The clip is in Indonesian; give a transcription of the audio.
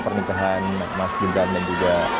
pernikahan mas gibran dan juga